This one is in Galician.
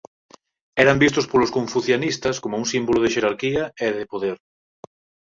Eran vistos polos confucianistas como un símbolo de xerarquía e de poder.